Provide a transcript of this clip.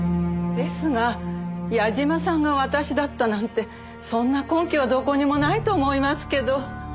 ですが矢嶋さんが私だったなんてそんな根拠はどこにもないと思いますけど。